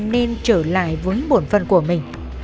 nên trở lại với bổn phân của mình